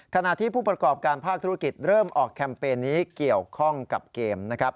ขณะที่ผู้ประกอบการภาคธุรกิจเริ่มออกแคมเปญนี้เกี่ยวข้องกับเกมนะครับ